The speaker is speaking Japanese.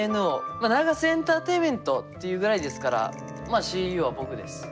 まあＮＡＧＡＳＥエンターテインメントっていうぐらいですからまあＣＥＯは僕です。